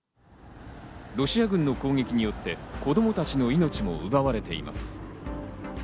ロシア軍の攻撃によって子供たちの命も奪われています。